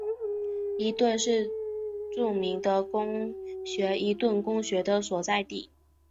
伊顿是著名的公学伊顿公学的所在地。